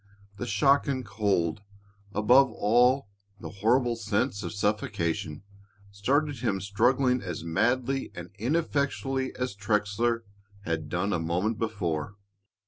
The shock and cold, above all the horrible sense of suffocation, started him struggling as madly and ineffectually as Trexler had done a moment before.